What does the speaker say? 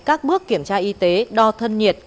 các bước kiểm tra y tế đo thân nhiệt